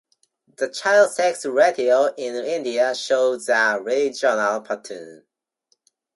The child sex ratio in India shows a regional pattern.